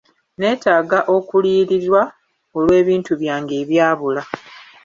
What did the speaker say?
Neetaaga okuliyirirwa olw'ebintu byange ebyabula.